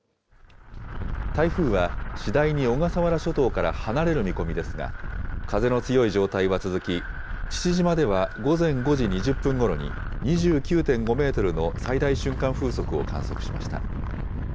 台風は次第に小笠原諸島から離れる見込みですが、風の強い状態は続き、父島では午前５時２０分ごろに２９．５メートルの最大瞬間風速を観測しました。